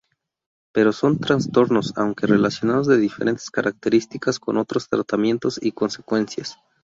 Pero son trastornos, aunque relacionados, de diferentes características, con otros tratamientos y consecuencias.